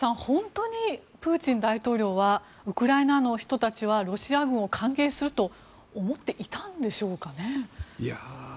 本当にプーチン大統領はウクライナの人たちはロシア軍を歓迎すると思っていたんでしょうかね？